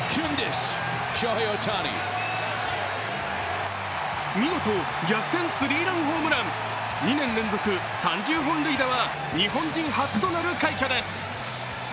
スリーランホームラン２年連続３０本塁打は日本人初となる快挙です。